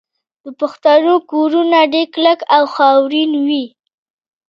د پښتنو کورونه ډیر کلک او خاورین وي.